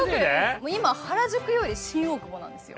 今原宿より新大久保なんですよ。